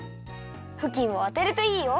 ふきんをあてるといいよ。